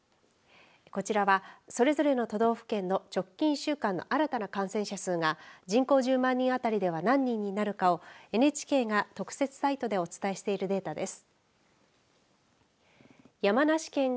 こちらはそれぞれの都道府県の直近１週間の新たな感染者数が人口１０万人当たりでは何人になるかをＮＨＫが特設サイトでお伝えしているデータです。